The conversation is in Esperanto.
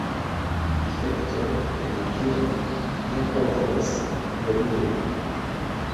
Difekton de naturo ne kovros veluro.